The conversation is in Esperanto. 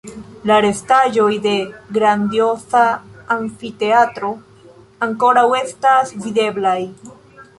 La restaĵoj de grandioza amfiteatro ankoraŭ estas videblaj.